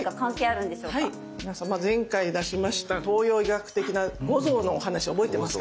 皆さん前回出しました東洋医学的な五臓のお話覚えてますかね。